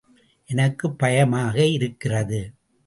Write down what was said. எனக்குப் பயமாக இருக்கிறது.